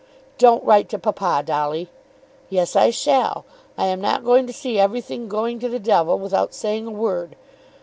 "Don't write to papa, Dolly!" "Yes, I shall. I am not going to see everything going to the devil without saying a word.